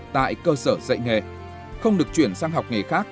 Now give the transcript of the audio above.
tại cơ sở dạy nghề không được chuyển sang học nghề khác